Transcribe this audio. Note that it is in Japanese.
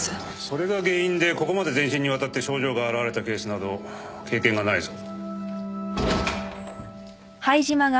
それが原因でここまで全身にわたって症状が現れたケースなど経験がないぞ。